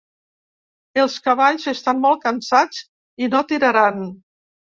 Els cavalls estan molt cansats i no tiraran.